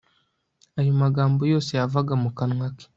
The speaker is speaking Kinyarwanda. ayo magambo yose yavaga mu kanwa ke